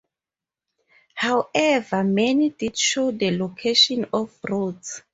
However, many did show the locations of roads.